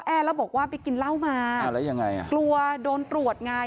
แล้วบอกว่าไปกินเหล้ามาอ่าแล้วยังไงอ่ะกลัวโดนตรวจไง